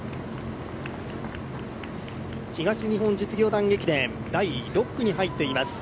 東日本実業団駅伝、第６区に入っています。